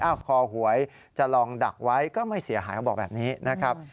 คอหวยจะลองดักไว้ก็ไม่เสียหายเขาบอกแบบนี้นะครับ